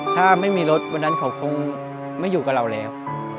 ถ้าไม่มีรถวันนั้นเขาคงไม่อยู่กับเราแล้ว